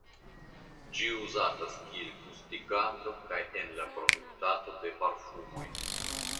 Ĝi uzatas kiel gustiganto kaj en la produktado de parfumoj.